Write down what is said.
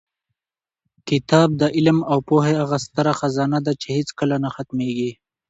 کتاب د علم او پوهې هغه ستره خزانه ده چې هېڅکله نه ختمېږي.